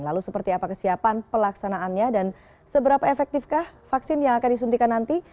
lalu seperti apa kesiapan pelaksanaannya dan seberapa efektifkah vaksin yang akan disuntikan nanti